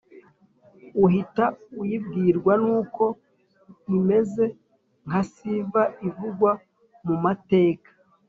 uhita uyibwirwa n’uko imeze nka siva ivugwa mu mateka